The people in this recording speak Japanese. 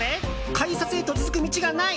改札へと続く道がない！